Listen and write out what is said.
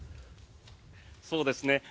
そうですね。